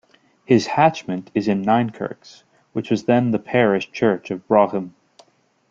His hatchment is in Ninekirks, which was then the parish church of Brougham.